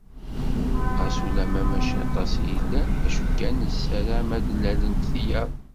Ɣas ulamma mačči aṭas i yellan, acu kan nessaram ad d-lalent tiyaḍ.